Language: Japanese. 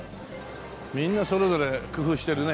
みんなそれぞれ工夫してるね。